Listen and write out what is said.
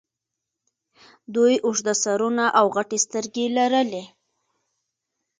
دوی اوږده سرونه او غټې سترګې لرلې